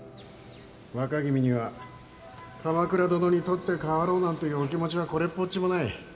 若君には鎌倉殿に取って代わろうなんていうお気持ちはこれっぽっちもない。